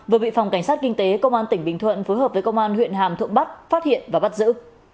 vừa bị phòng cảnh sát kinh tế công an tỉnh bình thuận phối hợp với công an huyện hàm thuận bắc phát hiện và bắt giữ